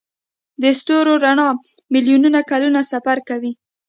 د ستورو رڼا میلیونونه کلونه سفر کوي.